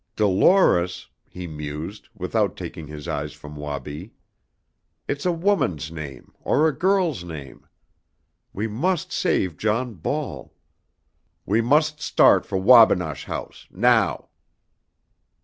"Dolores," he mused, without taking his eyes from Wabi. "It's a woman's name, or a girl's name. We must save John Ball! We must start for Wabinosh House now!"